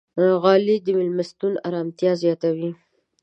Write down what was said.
غالۍ د میلمستون ارامتیا زیاتوي.